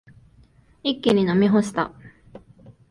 一気に飲み干した。